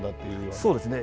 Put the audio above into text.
そうですね。